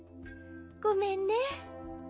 ごめんね。